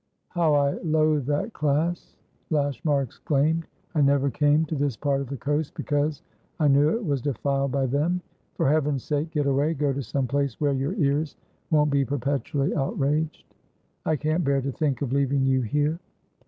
"How I loathe that class!" Lashmar exclaimed. "I never came to this part of the coast, because I knew it was defiled by them. For heaven's sake, get away! Go to some place where your ears won't be perpetually outraged. I can't bear to think of leaving you here."